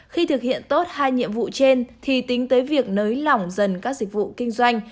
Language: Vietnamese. khi thực hiện tốt hai nhiệm vụ trên thì tính tới việc nới lỏng dần các dịch vụ kinh doanh